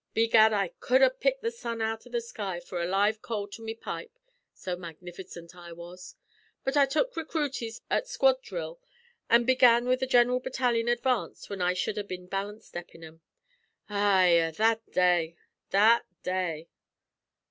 Begad, I cud ha' picked the sun out av the sky for a live coal to me pipe, so magnificent I was. But I tuk recruities at squad drill, an' began with general battalion advance whin I shud ha' been balance steppin' 'em. Eyah! that day! that day!"